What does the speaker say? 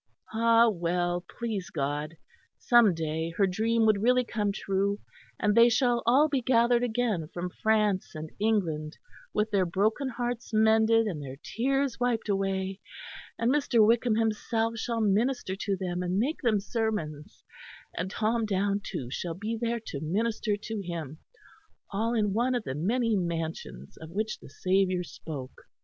Ah! well, please God, some day her dream would really come true; and they shall all be gathered again from France and England with their broken hearts mended and their tears wiped away, and Mr. Wickham himself shall minister to them and make them sermons, and Tom Downe too shall be there to minister to him all in one of the many mansions of which the Saviour spoke.